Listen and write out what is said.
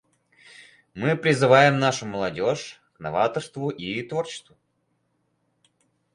Мы призываем нашу молодежь к новаторству и творчеству.